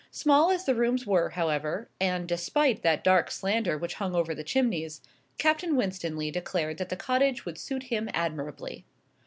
Small as the rooms were, however, and despite that dark slander which hung over the chimneys, Captain Winstanley declared that the cottage would suit him admirably.